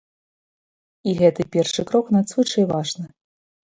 І гэты першы крок надзвычай важны.